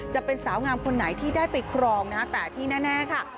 จะเป็นสาวงามคนไหนที่ได้ไปครองนะฮะแต่ที่แน่ค่ะ